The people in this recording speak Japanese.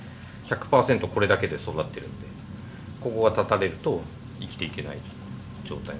これだけで育ってるんでここが絶たれると生きていけない状態。